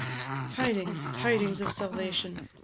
Tidings, tidings of salvation!